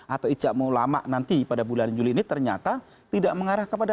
atau icam ulama nanti pada bulan juli ini ternyata tidak mengarah ke pemerintah